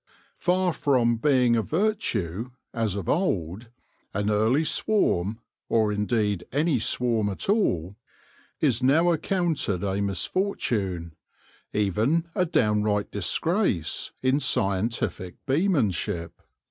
Far from being a virtue, as of old, an early swarm, or indeed any swarm at all, is now accounted a misfortune, even a downright disgrace, in scientific beemanship.